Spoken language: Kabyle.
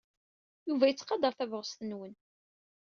Yuba yettqadar tabɣest-nwen.